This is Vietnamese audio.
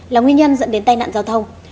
là nguyên nhân dẫn đến tai nạn giao thông